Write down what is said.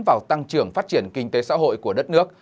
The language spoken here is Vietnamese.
vào tăng trưởng phát triển kinh tế xã hội của đất nước